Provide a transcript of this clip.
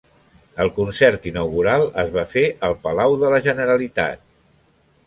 El concert inaugural es va fer al Palau de la Generalitat.